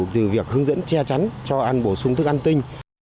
từ việc hướng dẫn che chắn cho ăn bổ sung thức ăn tinh